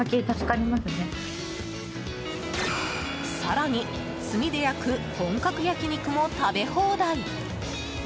更に、炭で焼く本格焼き肉も食べ放題。